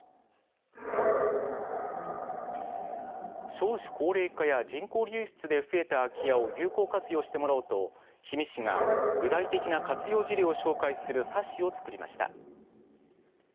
少子高齢化や人口流出で増えた空き家を有効活用してもらおうと氷見市が具体的な活用事例を紹介する冊子を作りました。